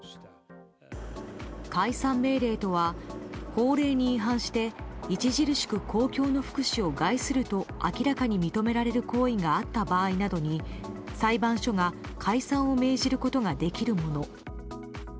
解散命令とは法令に違反して著しく公共の福祉を害すると明らかに認められる行為があった場合などに裁判所が解散を命じることができるもの。